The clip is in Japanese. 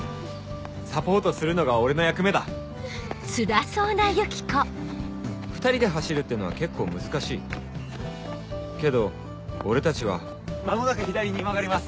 サポートするのが俺の役目だ２人で走るってのは結構難しいけど俺たちは間もなく左に曲がります。